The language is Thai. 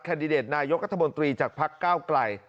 แคนดิเดตนายกัธมนตรีจากภักดิ์ก้าวไกล